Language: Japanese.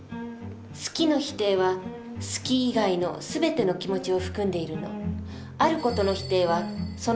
「好き」の否定は好き以外の全ての気持ちを含んでいるの。